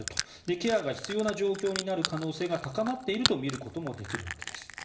ケアが必要な状況になる可能性が高まっていると見ることもできるわけです。